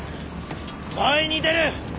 前に出る！